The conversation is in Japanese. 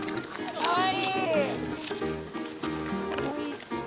かわいい。